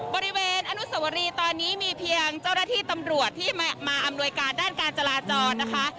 บริเวณอนุสวรีตอนนี้มีเพียงเจ้าหน้าที่ตำรวจที่มาอำนวยการด้านการจราจรนะคะ